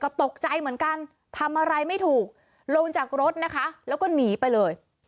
ก็ตกใจเหมือนกันทำอะไรไม่ถูกลงจากรถนะคะแล้วก็หนีไปเลย